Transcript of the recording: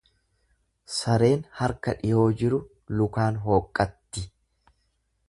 Sareen harka dhiyoo jiru lukaan hooqqatti.